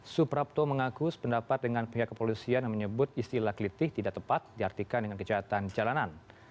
suprapto mengaku sependapat dengan pihak kepolisian yang menyebut istilah kelitih tidak tepat diartikan dengan kejahatan jalanan